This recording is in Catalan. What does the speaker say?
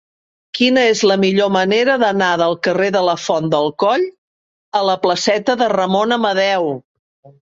Quina és la millor manera d'anar del carrer de la Font del Coll a la placeta de Ramon Amadeu?